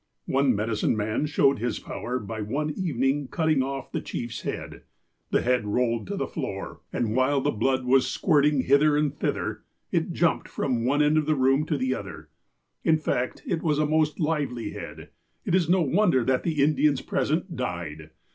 One medicine man showed his power by one evening cutting off the chief's head. The head rolled to the floor, 96 THE APOSTLE OF ALASKA and while the blood was squirting hither and thither, it jumped from one end of the room to the other. In fact, it was a most lively head, and it is no wonder that the Indians present ''died."